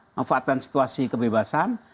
manfaatkan situasi kebebasan